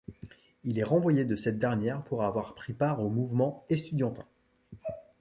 Il est renvoyé de cette dernière pour avoir pris part au mouvement estudiantin.